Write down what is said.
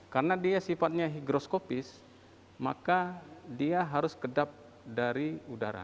karena dia sifatnya higroskopis maka dia harus kedap dari udara